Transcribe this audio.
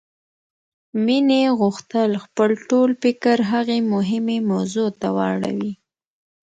مينې غوښتل خپل ټول فکر هغې مهمې موضوع ته واړوي.